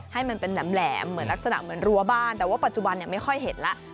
ให้มันเป็นแหลมเหมือนลักษณะเหมือนรั้วบ้านแต่ว่าปัจจุบันไม่ค่อยเห็นแล้ว